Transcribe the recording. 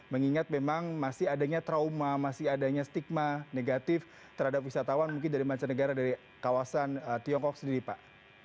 mengingat memang masih adanya trauma masih adanya stigma negatif terhadap wisatawan mungkin dari mancanegara dari kawasan tiongkok sendiri pak